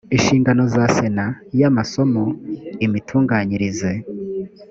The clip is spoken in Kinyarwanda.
inshingano za sena y amasomo imitunganyirize